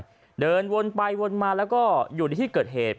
อยู่สองนายเดินวนไปวนมาแล้วก็อยู่ในที่เกิดเหตุ